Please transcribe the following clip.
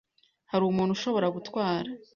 Hari umuntu ushobora gutwara?